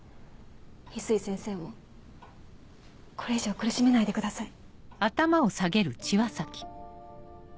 翡翠先生をこれ以上苦しめないでください。